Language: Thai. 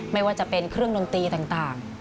ไม่ว่าจะเป็นเครื่องดนตรีต่าง